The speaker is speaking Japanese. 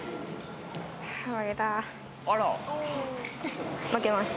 あら。